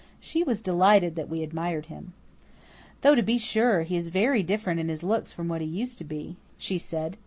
She was delighted that we admired him. "Though, to be sure, he is very different in his looks from what he used to be," she said.